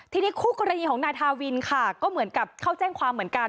ทีนี้คู่กรณีของนายทาวินค่ะก็เหมือนกับเข้าแจ้งความเหมือนกัน